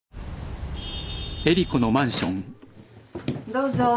どうぞ。